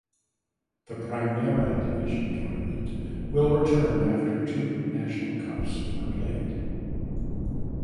The "Primera Division" tournament will return after two national cups were played.